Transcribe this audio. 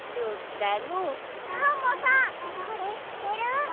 アンモさんこれしってる？